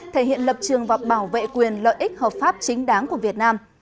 thể hiện lập trường và bảo vệ quyền lợi ích hợp pháp chính đáng của việt nam